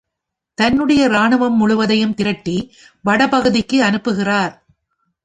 தன்னுடைய இராணுவம் முழுவதையும் திரட்டி வடபகுதிக்கு அனுப்புகிறார்.